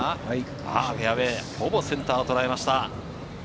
フェアウエーのほぼセンターを捉えました。